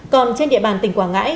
còn trên địa bàn tỉnh quảng ngãi